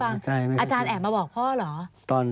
อาจารย์แอบมาบอกพ่อเหรอ